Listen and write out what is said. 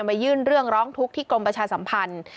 ยื่นเรื่องร้องทุกข์ที่กรมประชาสัมพันธ์